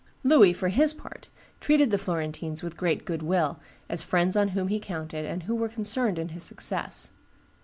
Louis, for his part, treated the Florentines with great good will, as friends on whom he counted and who were concerned in his success.